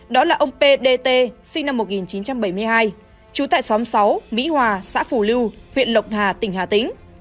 đó là ông p d t sinh năm một nghìn chín trăm bảy mươi hai trú tại xóm sáu mỹ hòa xã phủ lưu huyện lộc hà tỉnh hà tĩnh